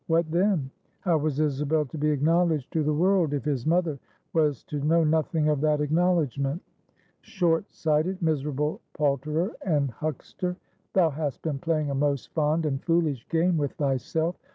What then? How was Isabel to be acknowledged to the world, if his mother was to know nothing of that acknowledgment? Short sighted, miserable palterer and huckster, thou hast been playing a most fond and foolish game with thyself!